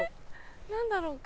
何だろうか？